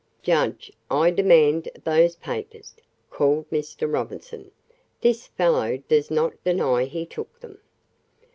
"Judge, I demand those papers!" called Mr. Robinson. "This fellow does not deny he took them."